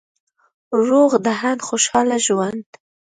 روغ ذهن، خوشحاله ژوند